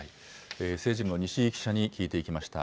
政治部の西井記者に聞いていきました。